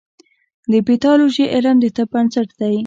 د پیتالوژي علم د طب بنسټ دی.